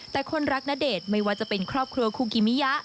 แต่คนรักณเดชน์ไม่ว่าจะเป็นครอบครัวคูกิมิยะ